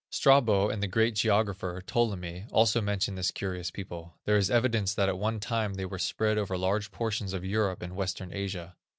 Strabo and the great geographer, Ptolemy, also mention this curious people. There is evidence that at one time they were spread over large portions of Europe and western Asia.